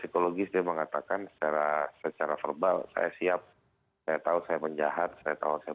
psikologis dia mengatakan secara secara verbal saya siap saya tahu saya menjahat saya tahu saya